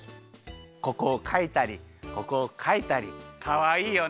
ここをかいたりここをかいたりかわいいよね。